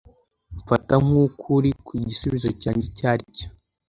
Mfata nkukuri ko igisubizo cyanjye ari cyo